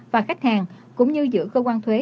và khách hàng cũng như giữa cơ quan thuế